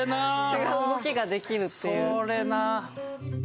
違う動きができるっていう。